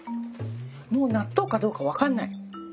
もう納豆かどうか分かんない。